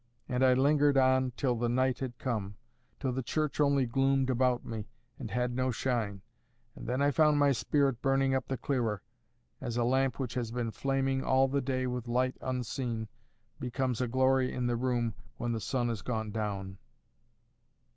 And I lingered on till the night had come; till the church only gloomed about me, and had no shine; and then I found my spirit burning up the clearer, as a lamp which has been flaming all the day with light unseen becomes a glory in the room when the sun is gone down.